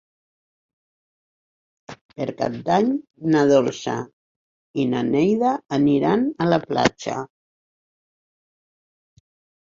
Per Cap d'Any na Dolça i na Neida aniran a la platja.